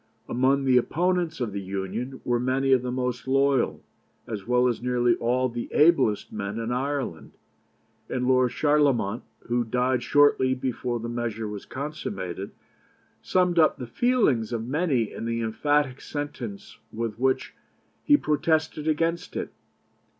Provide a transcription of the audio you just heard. Among the opponents of the Union were many of the most loyal, as well as nearly all the ablest men in Ireland; and Lord Charlemont, who died shortly before the measure was consummated, summed up the feelings of many in the emphatic sentence with which he protested against it.